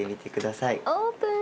オープン！